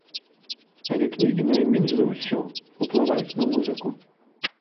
Але кнігі найменш за ўсё ўплываюць на музыку.